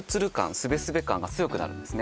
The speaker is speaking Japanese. スベスベ感が強くなるんですね